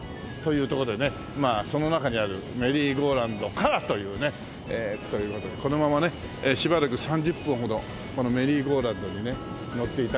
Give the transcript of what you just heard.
その中にあるメリーゴーラウンドからというね。という事でこのままねしばらく３０分ほどこのメリーゴーラウンドにね乗っていたいなと。